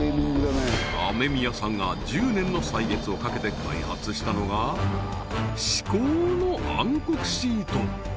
雨宮さんが１０年の歳月をかけて開発したのが至高の暗黒シート